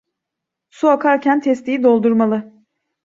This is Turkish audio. Su akarken testiyi doldurmalı.